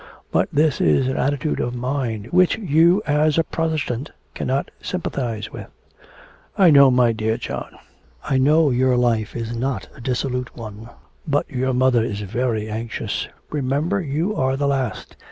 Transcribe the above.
But this is an attitude of mind which you as a Protestant cannot sympathise with.' 'I know, my dear John, I know your life is not a dissolute one; but your mother is very anxious remember you are the last.